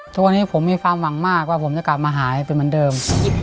ทุกวันนี้ผมมีความหวังมากว่าผมจะกลับมาหายเป็นเหมือนเดิม